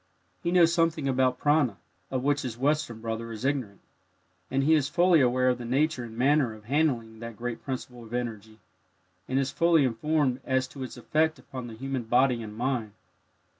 He knows something about "prana," of which his Western brother is ignorant, and he is fully aware of the nature and manner of handling that great principle of energy, and is fully informed as to its effect upon the human body and mind.